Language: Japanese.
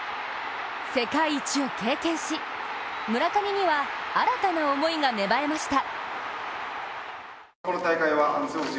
世界一を経験し、村上には新たな思いが芽生えました。